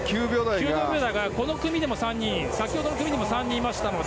９秒台がこの組でも３人先ほどの組でも３人いましたので。